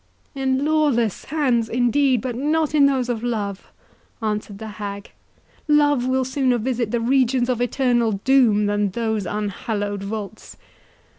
"In lawless hands, indeed, but not in those of love!" answered the hag; "love will sooner visit the regions of eternal doom, than those unhallowed vaults.